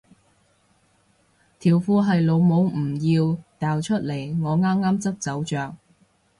條褲係老母唔要掉出嚟我啱啱執走着